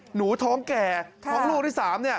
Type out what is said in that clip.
หนูท้องแก่ของลูกที่สาม